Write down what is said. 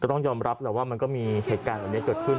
ต้องยอมรับแหละว่ามันก็มีเหตุการณ์แบบนี้เกิดขึ้น